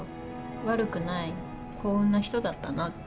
悪くない「幸運な人」だったなって